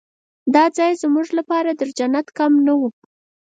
دا ځای زموږ لپاره تر جنت کم نه و.